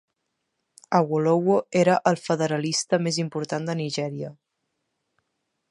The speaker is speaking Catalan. Awolowo era el federalista més important de Nigèria.